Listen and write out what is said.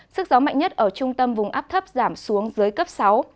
sức gió mạnh nhất ở trung tâm vùng áp thấp giảm xuống dưới cấp sáu